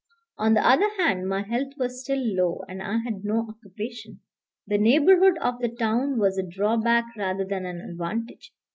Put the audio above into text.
On the other hand, my health was still low, and I had no occupation. The neighborhood of the town was a drawback rather than an advantage.